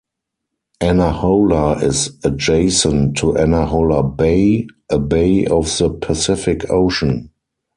Anahola is adjacent to Anahola Bay, a bay of the Pacific Ocean.